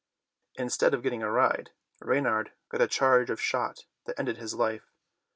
Instead of getting a ride, Rey nard got a charge of shot that ended his life.